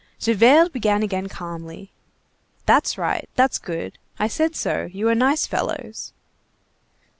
Javert began again calmly:— "That's right, that's good, I said so, you are nice fellows."